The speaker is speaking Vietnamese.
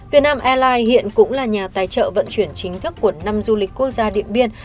việt nam airlines hiện cũng là nhà tài trợ vận chuyển chính thức của năm du lịch quốc gia điện biên